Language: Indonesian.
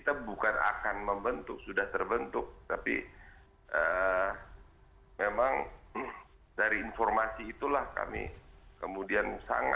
pemerintah untuk memastikan